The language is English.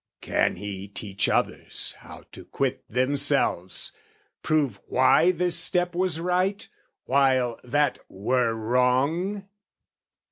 Can he teach others how to quit themselves, Prove why this step was right, while that were wrong?